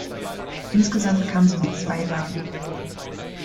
Insgesamt kam sie mit zwei Wagen.